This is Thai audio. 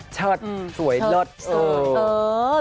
เชิดสวยเลิศ